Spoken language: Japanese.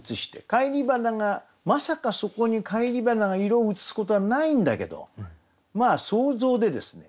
返り花がまさかそこに返り花が色をうつすことはないんだけどまあ想像でですね